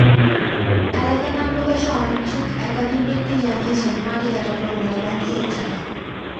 এলাকার নাম প্রকাশে অনিচ্ছুক একাধিক ব্যক্তি জানিয়েছেন, মাটি কাটার প্রবণতা বন্ধ হচ্ছে না।